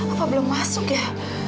apa belum masuk ya